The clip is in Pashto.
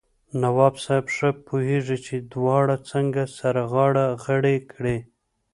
نواب صاحب ښه پوهېږي چې دواړه څنګه سره غاړه غړۍ کړي.